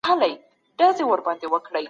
د الله حقوق د بنده مسوولیت دی.